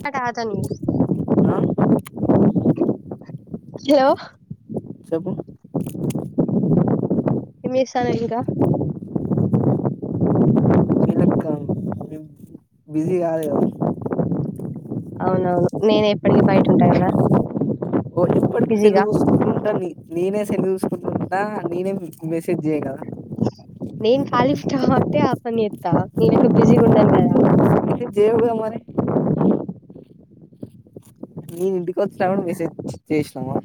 ట్ట కాదని ఆ హలో చెప్పు మీసాను ఇంకా వీళ్ళక్క బిజీ కాదుగా అవునవును నేనే ఎప్పటికి బయట ఉంటా కదా ఓ ఇప్పటికి బిజీగా తెలుగు [inaudible] నేనే [inaudible] నేనే మీకు మెసేజ్ [inaudible] నేను ఖాళీ [inaudible] ఆ పని జేత్తా నేనుక్క బిజీగుండను కదా ఇది జేవుగా మరి మీది ఇంటికి వచ్చినా [unintelligible] మెసేజ్ చేసినావా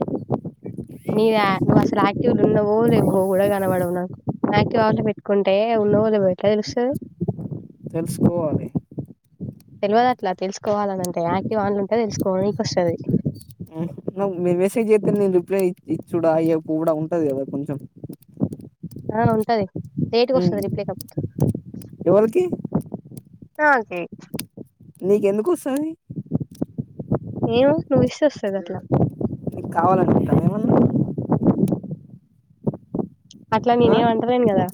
నీదా నువ్వసలు ఆక్ టివ్ లుండవో లెవ్వో గూడ గనపడవ్ ఆక్టివ్ ఆఫ్ లో పెట్టుకుంటే ఉన్నవో లెవ్వో ఎట్లా తెలుస్తది తెలుసుకోవాలి తెలియదు అట్లా తెలుసుకోవాలనింటే యాక్టివ్ ఆంలు ఉంటే తెలుసుకోవాలకు వస్తుంది ఇప్పుడే ఇ చుడా అయ్యప్పు కూడా ఉంటది కదా కొంచెం ఆ ఉంటది లేట్గా వస్తుంది రిప్లై ఎవరికి ఆకే నీకెందుకు వస్తుయి ఏమ నువ్ ఇస్త వస్తుాంది అట్లా నకు కావాలనుకుంటన్నాాను ఏమన్నా అట్లా ఆ? నేనేమి అంటలేను గదా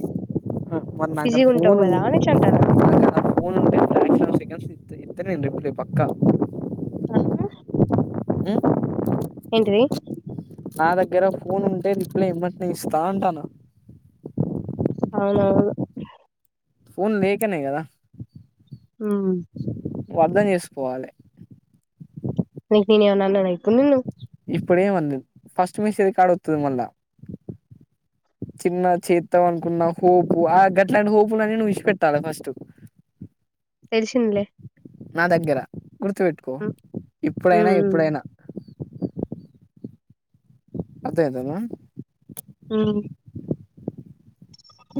మరి నాక్కడ ఫోన్ ఉ అనేసి అంటాను ఫోన్ ఉంటేక్ష సెక ఇ ఇ నేను రిప్లే పక్కా ఆ ఆ ఏంటి నా దగ్గర ఫోన్ ఉంటే రిప్లై ఇమ్మట్న్నా ఇస్తా అంటాను అవున అవును ఫోన్ లేకనే కదా ఆ అర్ధం చేసుకోవాలి నని ఉన్నా న అయికును ఇప్పుడే మ ఫస్ట్ మేసేది కాడ వతుంది మళ్ళా చిన్న చేత్త అనుకున్న హోపు ఆ గట్లాంటి హోపులు అని నువ్వు ఇసిిపెట్టాలి ఫస్ట్ తెలిసిినలే నా దగ్గర గుర్తుపెట్టుకో ఇప్పుడైనా ఉమ్ ఎప్పుడైనా అదే అదనా ఆ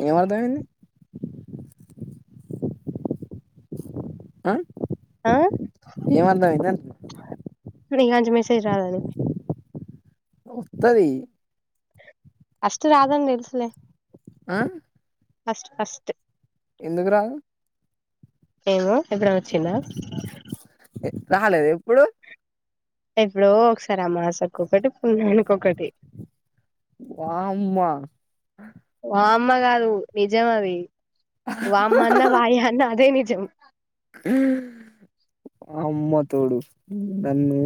ఏం అర్థమైంది ఆ ఆ ఏం అర్థమైంది అజ మసేజ రాద అను వస్తది అష్ట రాదనీ తెల్సులే ఆ అస్ అస్ట ఎందుకు రా ఏమో ఎప్పుడైన్ వచ్చిందా రాలేద ఎప్పుడు ఎప్పుడో ఒకసారి అమావాస్య కి ఒకటి పున్నానికి ఒకటి వామ్మ అమ్మ కాదు నిజం అది వామ అన్న వాయ అన్న అదే ని చెం అమ్మ తోడు నన్ను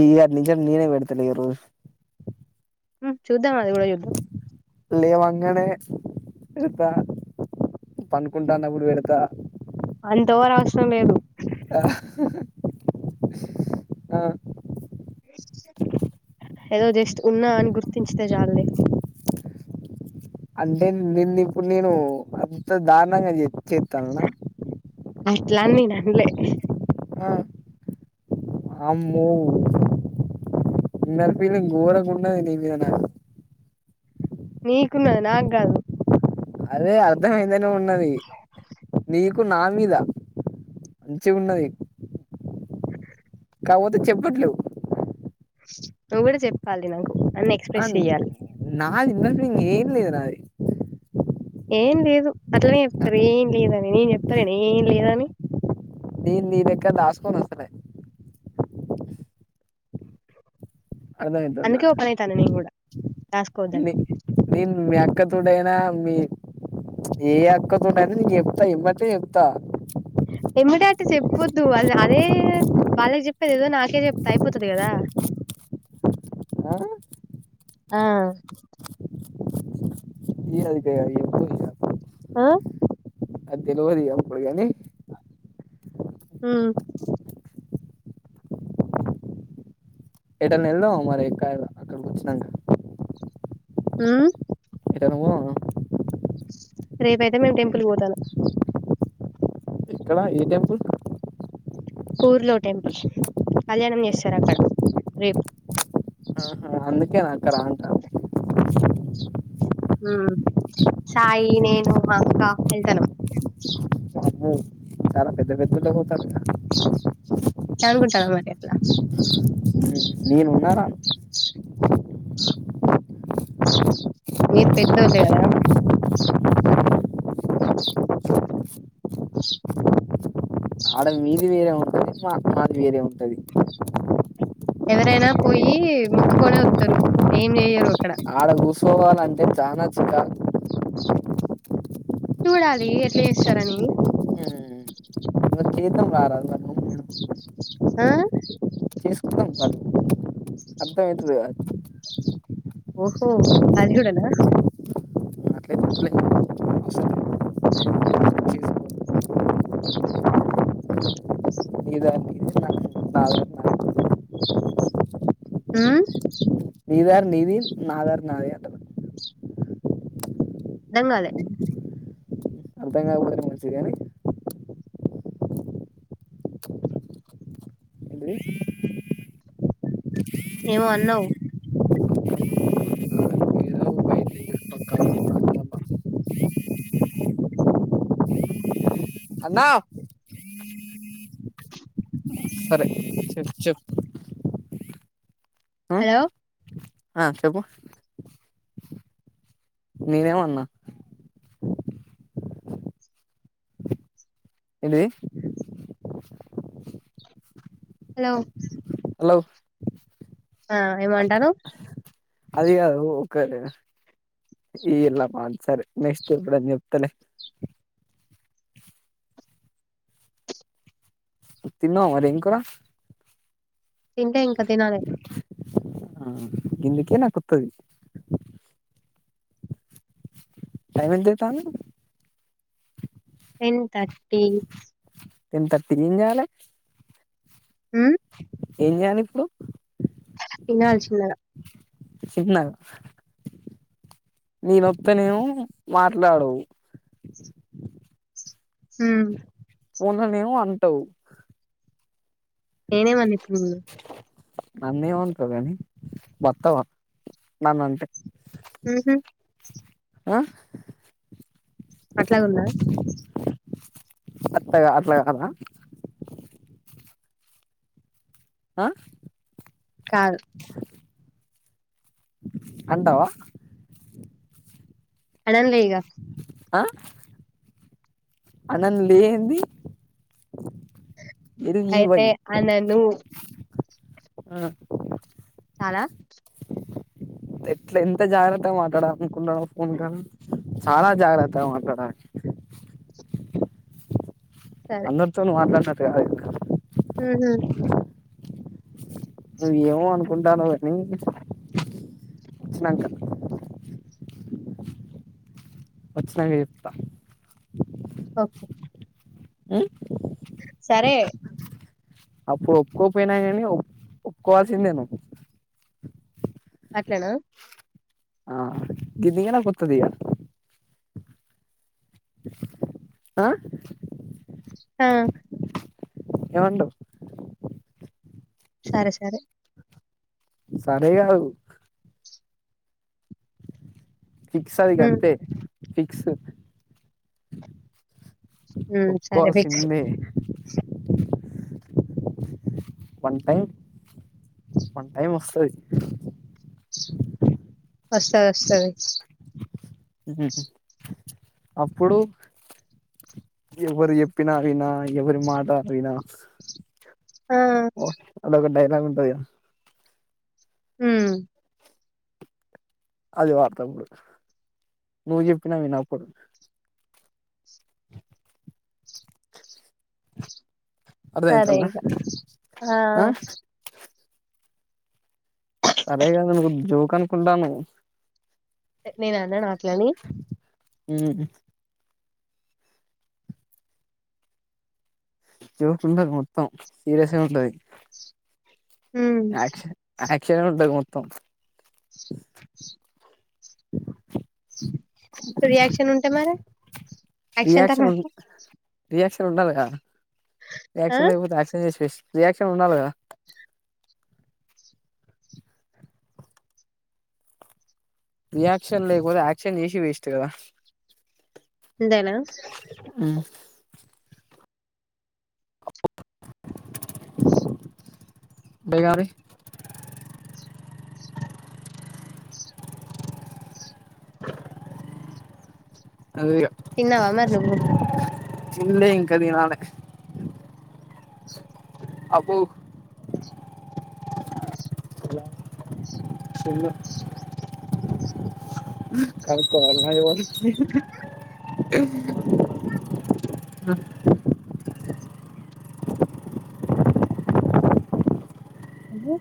ఈ యాటినించెల్లి నేనే పెడతాలే ఇగా రోజు ఉం చూద్దాం అది కూడా చూద్దాం లేవంగానే పెడతా పండుకుంటాన్నప్పుడు పెడతా అంత ఓవర్ అవసరం లేదు ఆ ఆ ఏదో జస్ట్ ఉన్నా అని గుర్తించితే చాళ్లే అంటే నిన్ను ఇప్పుడు నేను అంత దారుణంగా చేత్తాననా అట్లానీ నీన్ అన్లే ఆ అమ్మో ఇన్నర్ ఫీలింగ్ ఘోరంగా ఉన్నది నీ మీద నాకు నీకున్నది నాకు కాదు అదే అర్ధమయిందనే ఉన్నది నీక్ కు నా మీద మంచిగున్నది కాకపోతే చెప్పట్లేవు నువ్వు కూడా చెప్పాలి నాకు అన్ని ఎక్స్ప్రెస్ అన్ చెయాలి నాది ఇన్నర్ ఫీలింగ్ ఏదీ లేదు నాది ఏం లేదు అట్లనే చెప్తరు ఏం లేదని నేను చెప్తలేన ఏం లేదని నేను నీ లెక్క దాసుకొను అసలే అందుకే ఓపెన్ అయితాన నేన్ కూడా రాసుకోవద్దని ని నీన్ మీ అ క్క తోటి అయినా మీ ఏ అక్కతోటి అయినా నీన్ చెప్తా ఇంబట్టే చెప్తా ఎమ్మటే అంట చెప్పొద్దు అది నాదే వాళ్ళకి చెప్పేది ఏదో నాకే చెప్తే అయిపోతది కదా ఆ ఆ [unintelligible] ఆ అది తెలవది ఇగ అప్పుడు గని ఉం ఎటైన్న ఎళ్దామ మరి ఎక్క అక్కడికి వచ్చినంక ఉం ఎటన్న పోదామా రేపయితే మేము టెంపుల్ పోతాన ఎక్కడ ఏ టెంపుల్ పూర్లో టెంపుల్ కళ్యాణం చేస్తారు అక్కడ రేపు అందుకే నా అక్క రా అంటంది ఉం సాయి నేను మా అక్క వెళ్తానామ్ అమ్మో చాలా పెద్ద పెద్దొళ్లే పోతారు గ మను కుంటనవ్ మరి అట్ల నేను ఉన్నారా మీరు పెద్దోళ్లు కదా ఆడ మీది వేరే ఉంటది మా మాది వేరే ఉంటది ఎవరైనా పోయి మొక్కుకొనే వత్తరు ఏం చెయ్యరు అక్కడ ఆడ కూసు పోవాలంటే చాన చికాక్ చూడాలి ఎట్లా చేస్తారని హ్మ్ మరి చేద్దాం రా రాదు మరి నువు నే ఆ [unintelligible] అర్థంమైతుది ఓహో అదిగుడనా అట్లయితే వద్దులే అవసరం లేదు చేసుకో నీ దారి నీది నా నా దారి నాది ఆ నీ దారి నీది నాదారు నాది అంటనా అర్ధం కాలే అర్ధం కాకపోతేనే మంచిది గని ఏంటిది ఏమో అన్నవు ఏదో బయట పక్కన మాట్లాడమ్మా. అన్న సరే చెప్ చెప్ హలో ఆ చెప్పు నేనేమన్నా ఏంటిది హలో హలో ఆ ఏమో అంటనవ్ అదిగాదు ఓక ఈ ఇలా పంచలే నెక్స్ట్ ఎప్పుడన్నా జెప్తలే తిన్నావా మరి ఏం కుర తిన్లే ఇంకా తినాలె గిందుకే నా కొత్తది టైమ్ ఎంత ఐతాంది టెన్ థర్టీ టెన్ థర్టీ ఏం జెయాలే ఊ ఏం జెయాలి ఇప్పుడు తినాల చిన్నగా చిన్నగా నేనొత్తనేమో మాట్లాడవు ఊ పోన్లోనేమో అంటవు నేనేమి అన్న ఇప్పుడు నిన్ను నన్నేమీ అంటావ్ గాని బత్తావా నన్ను అంటే ఊ ఊ ఆహ్ అట్లాగుడ్నా అట్లాగా అట్లా గాదా ఆహ్ కాదు అంటవా అనన్ లే ఇగ ఆహ్ అనన్ లే ఏంది? అయితే అనను. ఆహ్ చాల ఎట్లా ఎంత జాగ్రత్తగా మాట్లాడాలి అనుకుంటన్నావ్ ఫోన్ కాల్ చాలా జాగ్రత్తగ మాట్లాడ్ ఆహ్ అందర్తొను మాట్లాడినట్ ప్ర్యాంక్ మ్ హు నువ్ ఏమో అనుకుంటానవ్ కానీ, వచ్చినంక వచ్చినంక చెప్తా ఓకే మ్ సరే అప్పుడు ఒప్పుకోపోయినా కానీ, ఒప్ ఒప్పుకోవాల్సిందే నువ్వు. అట్లనా ఆహ్ కిందికయినంక్ వత్తదిగా ఆ ఆహ్ ఏమంటవ్? సరె సరె. సరే కాదు. ఫిక్స్ అది హ్మ్ ఇగంతె. ఫిక్స్ హ్మ్ సరే ఫిక్స్ ఒప్పుకోవాల్సిందే. వన్ టైం, వన్ టైం వస్తది. వస్తది. వస్తది. మ్మ్ అప్పుడు ఎవరు చెప్పినా వినా! ఎవరి మాట వినా! ఆ ఓ అదొగడ్డే య ఉంటయిగ. మ్ అది వాడ్తా అప్పుడు. నువ్వు చెప్పినా విన అప్పుడు. సరే అర్థమవుతుందా ఇగ. ఆ సరేగాదు నువ్వు జోకనుకుంటానవ్. ఎ నేనన్ననా? క్యాన్వి మ్ జోకుండదు మొత్తం, సీరియస్ ఎ ఉంటది. హ్మ్ యాక్చ యాక్ చనె ఉంటది మొత్తం. [inaudible] రియాక్షన్ ఉంటే మరి యాక్షన్ రియాక్షన్ తర్వాత రియాక్షన్ ఉండాలి గా ఆ యాక్షన్ లేకపోతే యాక్షన్ చేసి వెస్ట్ రియాక్షన్ ఉండాలి గదా రియాక్షన్ లేకపోతే యాక్షన్ చేసి వేస్ట్ గదా అంతేనా ఉ అంతే గా మరి [inaudible] తిన్నావా మరి నువ్వు తిన్లే ఇంకా తినాలి చిన్ను కనుకోవాలన్నా ఎవర ఉ